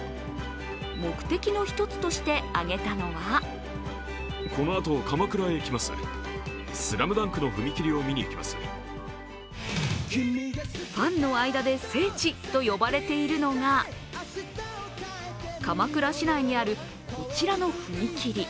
目的の一つとして挙げたのはファンの間で聖地と呼ばれているのが、鎌倉市内にある、こちらの踏切。